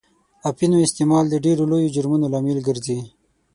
اپینو استعمال د ډېرو لویو جرمونو لامل ګرځي.